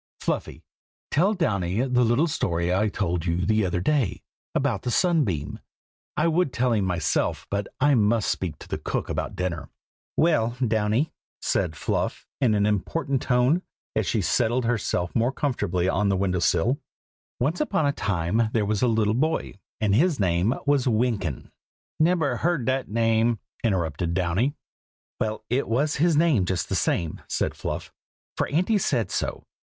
Fluffy, tell Downy the little story I told you the other day, about the sunbeam. I would tell it to him myself, but I must speak to cook about dinner." "Well, Downy," said Fluff, in an important tone, as she settled herself more comfortably on the window sill, "Once upon a time there was a little boy, and his name was Wynkyn." "Nebber heard dat name!" interrupted Downy. "Well, it was his name just the same," said Fluff, "for Auntie said so.